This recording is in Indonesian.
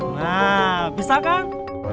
nah bisa kan